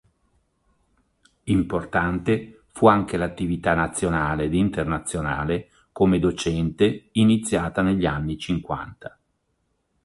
Importante fu anche l'attività nazionale ed internazionale come docente iniziata negli anni cinquanta.